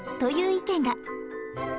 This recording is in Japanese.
意見が